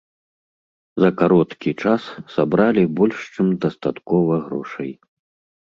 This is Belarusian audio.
За кароткі час сабралі больш чым дастаткова грошай.